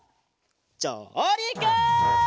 じょうりく！